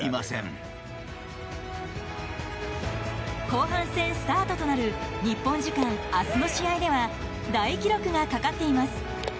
後半戦スタートとなる日本時間、明日の試合では大記録がかかっています。